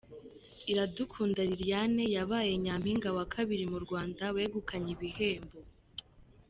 Iradukunda Liliane yabaye Nyampinga wa kabiri mu Rwanda wegukanye ibihembo .